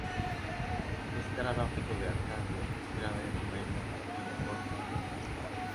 Estrada fue hijo de Arcadio Estrada y Rafaela Villacorta de Estrada.